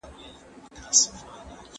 ټولنپوهان د ټولنې د رغونې لپاره کار کوي.